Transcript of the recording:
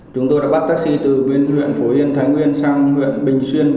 chúng tôi đã bắt taxi từ bên huyện phổ yên thái nguyên sang huyện bình xuyên